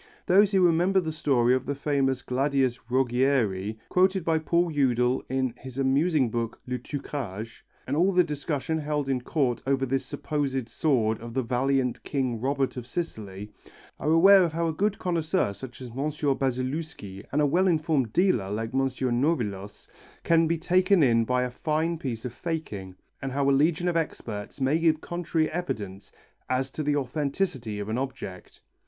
Those who remember the story of the famous Gladius Rogieri quoted by Paul Eudel in his amusing book, Le Truquage, and all the discussion held in Court over this supposed sword of the valiant King Robert of Sicily, are aware how a good connoisseur such as M. Basilewski and a well informed dealer like M. Nolivos can be taken in by a fine piece of faking, and how a legion of experts may give contrary evidence as to the authenticity of an object.